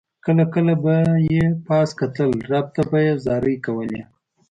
کله کله به یې پاس کتل رب ته به یې زارۍ کولې.